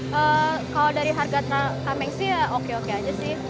kalau dari harga kameng sih ya oke oke aja sih